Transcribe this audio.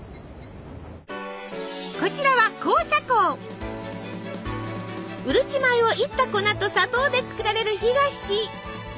こちらはうるち米をいった粉と砂糖で作られる干菓子。